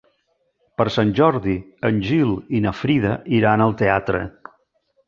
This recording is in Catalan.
Per Sant Jordi en Gil i na Frida iran al teatre.